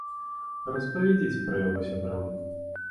Распавядзіце пра яго сябрам!